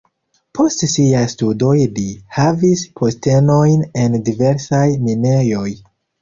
Post siaj studoj li havis postenojn en diversaj minejoj.